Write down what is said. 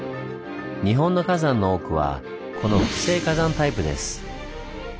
日本の火山の多くはこの複成火山タイプです。